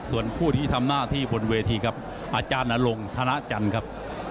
ส่วนผู้ที่ทำหน้าที่บนเวทีครับอาจารย์นรงธนจันทร์ครับ